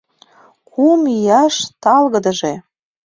Кум ияш талгыдыже